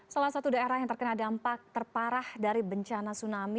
salah satu daerah yang terkena dampak terparah dari bencana tsunami